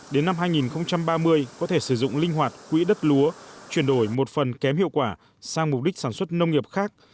đến năm hai nghìn ba mươi có thể sử dụng linh hoạt quỹ đất lúa chuyển đổi một phần kém hiệu quả sang mục đích sản xuất nông nghiệp khác